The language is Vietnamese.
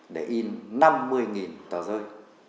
để in năm mươi tờ rơi